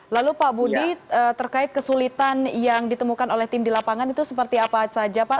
lalu pak budi terkait kesulitan yang ditemukan oleh tim di lapangan itu seperti apa saja pak